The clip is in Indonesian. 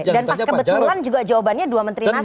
dan pas kebetulan juga jawabannya dua menteri nasdem